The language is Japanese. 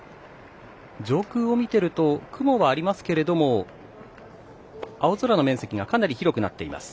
上空を見ていると雲はありますけれども青空の面積がかなり広くなっています。